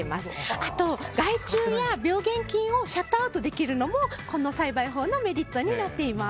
あと、害虫や病原菌をシャットアウトできるのもこの栽培法のメリットになっています。